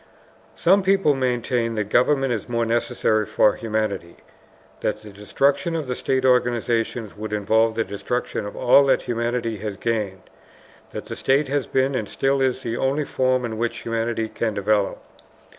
Some people maintain that government is more necessary for humanity, that the destruction of the state organization would involve the destruction of all that humanity has gained, that the state has been and still is the only form in which humanity can develop.